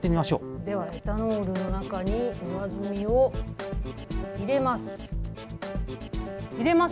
ではエタノールの中に上澄みを入れます。